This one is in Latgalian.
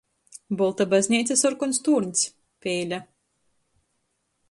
Bolta bazneica, sorkons tūrņs. Peile.